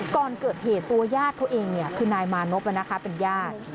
ก่อนเกิดเหตุตัวญาติเขาเองคือนายมานพเป็นญาติ